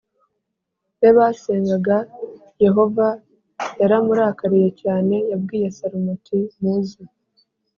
be basengaga Yehova yaramurakariye cyane Yabwiye Salomo ati muze